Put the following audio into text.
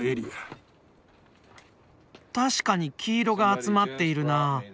確かに黄色が集まっているな。